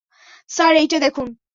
Sir, এইটা দেখুন।